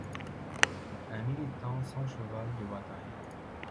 Un militant sans cheval de bataille.